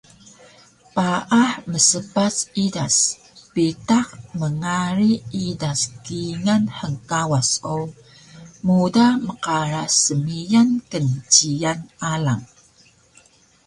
Paah mspac idas bitaq mngari idas kngkingal hngkawas o muda mqaras smiyan knciyan alang